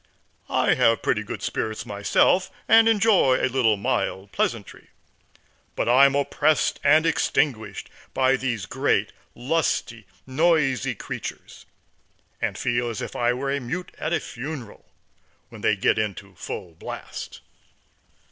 I have pretty good spirits myself, and enjoy a little mild pleasantry, but I am oppressed and extinguished by these great lusty, noisy creatures, and feel as if I were a mute at a funeral when they get into full blast.